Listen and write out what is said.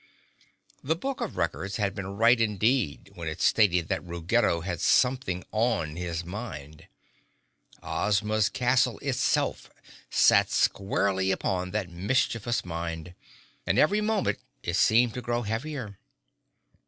The Book of Records had been right indeed when it stated that Ruggedo had something on his mind. Ozma's castle itself sat squarely upon that mischievous mind—and every moment it seemed to grow heavier.